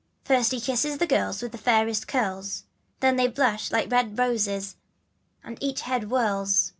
First h<fkisses the girls with the fairest of curls Then tUey blush like red roses and each head whirls.